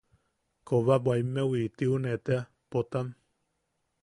Kobwabwaimewi tiune tea, Potam.